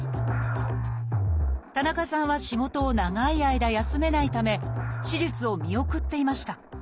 田中さんは仕事を長い間休めないため手術を見送っていました。